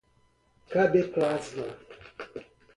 kde plasma